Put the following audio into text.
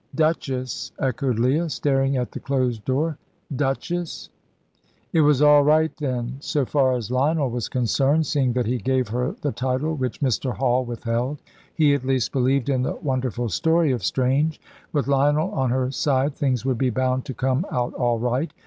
"Duchess!" echoed Leah, staring at the closed door. "Duchess!" It was all right then, so far as Lionel was concerned, seeing that he gave her the title which Mr. Hall withheld. He at least believed in the wonderful story of Strange. With Lionel on her side things would be bound to come out all right.